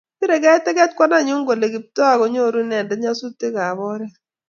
biregei teket kwandanyu kole Kiptooo konyoru inen nyosutiekab oret